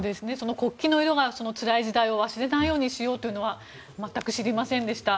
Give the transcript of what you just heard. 国旗の色がつらい時代を忘れないようにしようというのは全く知りませんでした。